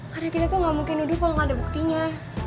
karena kita tuh nggak mungkin duduk kalau nggak ada buktinya